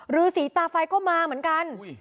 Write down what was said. รือศรีตาไฟก็มาเหมือนกัน